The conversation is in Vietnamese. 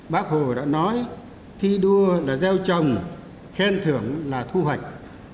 bác hồ đã nói thi đua là gieo trồng khen thưởng là thu hoạch